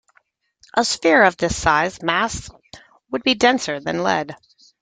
A sphere of this size and mass would be denser than lead.